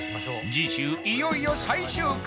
次週いよいよ最終回！